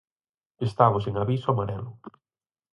Estamos en aviso amarelo.